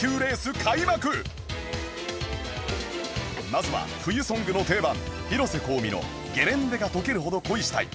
まずは冬ソングの定番広瀬香美の『ゲレンデがとけるほど恋したい』